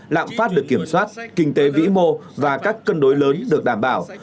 lạm phát được kiểm soát kinh tế vĩ mô và các cân đối lớn được đảm bảo